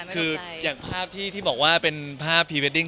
คืออย่างภาพที่บอกว่าเป็นภาพพรีเวดดิ้ง